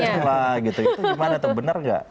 masam masam lah gitu itu gimana tuh bener nggak